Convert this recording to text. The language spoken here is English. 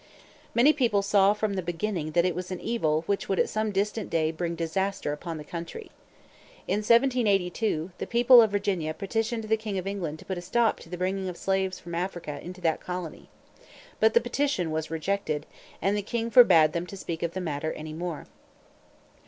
Many people saw from the beginning that it was an evil which would at some distant day bring disaster upon the country. In 1772, the people of Virginia petitioned the king of England to put a stop to the bringing of slaves from Africa into that colony. But the petition was rejected; and the king forbade them to speak of the matter any more.